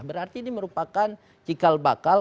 berarti ini merupakan cikal bakal